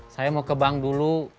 saya mau ke bank dulu